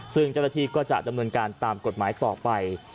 ซึ่งเจ้าหน้าที่ก็จะดำเนินการตามกฎหมายต่อไป